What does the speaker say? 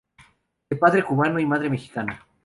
De padre cubano y madre mexicana.